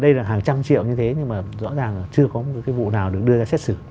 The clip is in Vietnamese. đây là hàng trăm triệu như thế nhưng mà rõ ràng là chưa có một cái vụ nào được đưa ra xét xử